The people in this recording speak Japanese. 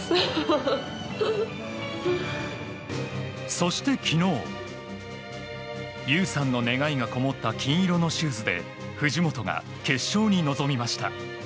そして昨日優さんの願いがこもった金色のシューズで藤本が決勝に臨みました。